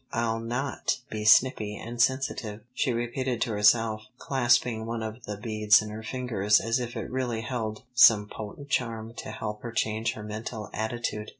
"I'll not be snippy and sensitive," she repeated to herself, clasping one of the beads in her fingers as if it really held some potent charm to help her change her mental attitude.